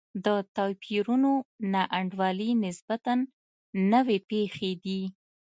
د توپیرونو نا انډولي نسبتا نوې پېښې دي.